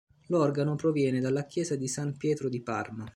L'organo proviene dalla chiesa di san Pietro di Parma.